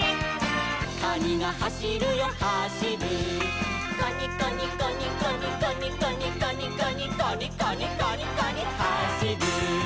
「カニがはしるよはしる」「カニカニカニカニカニカニカニカニ」「カニカニカニカニはしる」